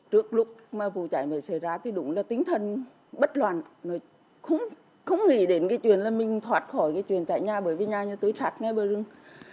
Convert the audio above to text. trước lúc mà vụ cháy mới xảy ra thì đúng là tính thần bất loạn không nghĩ đến chuyện là mình thoát khỏi chuyện cháy nhà bởi vì nhà tươi sạch ngay bờ rừng